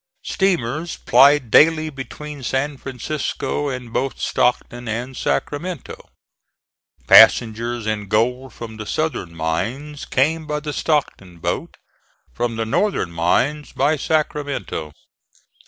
Steamers plied daily between San Francisco and both Stockton and Sacramento. Passengers and gold from the southern mines came by the Stockton boat; from the northern mines by Sacramento.